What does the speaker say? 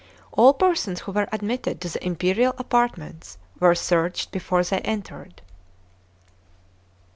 All persons who were admitted to the imperial apartments were searched before they entered.